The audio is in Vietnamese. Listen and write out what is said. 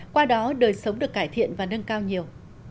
qua đó đời sống được cải thiện và nâng cao nhiều